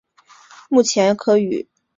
目前可与环状轻轨哈玛星站站外转乘。